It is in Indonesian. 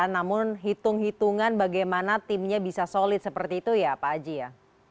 namun hitung hitungan bagaimana timnya bisa solid seperti itu ya pak aji ya